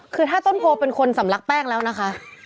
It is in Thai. คือถ้าต้นโพเป็นคนสำลักแป้งแล้วนะคะ